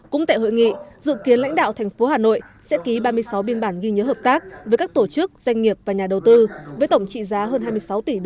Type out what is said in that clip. cũng tại hội nghị dự kiến lãnh đạo thành phố hà nội sẽ ký ba mươi sáu biên bản ghi nhớ hợp tác với các tổ chức doanh nghiệp và nhà đầu tư với tổng trị giá hơn hai mươi sáu tỷ usd